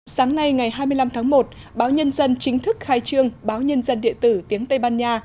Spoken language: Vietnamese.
sáng nay ngày hai mươi năm tháng một báo nhân dân chính thức khai trương báo nhân dân điện tử tiếng tây ban nha